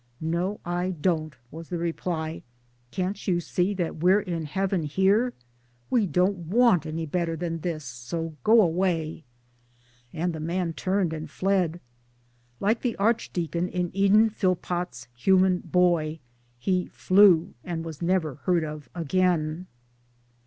" No, I don't," was the reply, " can't you see that we're in heaven here we don't want any better than this, so go a,way 1 " And the man turned and fled. Like the archdeacon in Eden Phillpotts' Human Boy "he flew and was never heard of again."